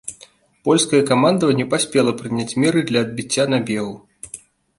Польскае камандаванне паспела прыняць меры для адбіцця набегу.